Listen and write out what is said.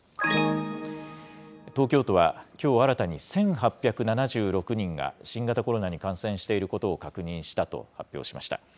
東京都は、きょう新たに１８７６人が新型コロナに感染していることを確認したと発表しました。